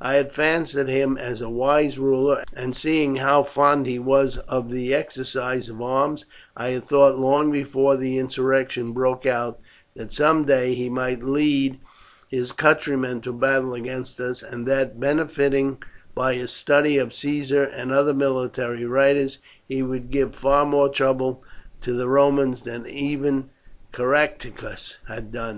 I had fancied him as a wise ruler; and, seeing how fond he was of the exercise of arms, I had thought long before the insurrection broke out that some day he might lead his countrymen to battle against us, and that, benefiting by his study of Caesar and other military writers, he would give far more trouble to the Romans than even Caractacus had done.